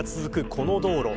この道路。